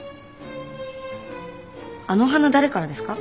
あの花誰からですか？